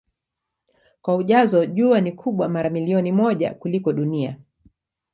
Kwa ujazo Jua ni kubwa mara milioni moja kuliko Dunia.